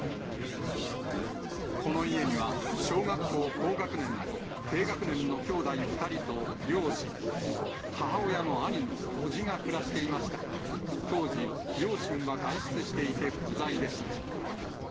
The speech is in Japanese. この家には、小学校高学年と低学年の兄弟２人と両親、母親の兄の伯父が暮らしていましたが、当時、両親は外出していて不在でした。